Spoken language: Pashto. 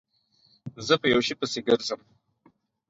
زه په یوه شي پسې گرځم